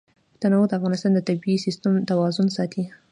تنوع د افغانستان د طبعي سیسټم توازن ساتي.